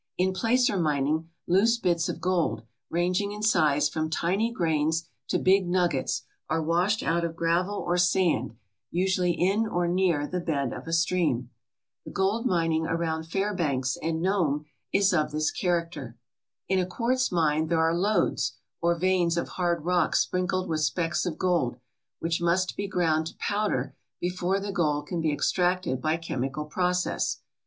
In placer mining loose bits of gold, ranging in size from tiny grains to big nuggets, are washed out of gravel or sand, usually in or near the bed of a stream. The gold mining around Fairbanks and 78 TREASURES UNDER THE SEA Nome is of this character. In a quartz mine there are lodes, or veins of hard rock sprinkled with specks of gold, which must be ground to powder before the gold can be ex tracted by chemical process.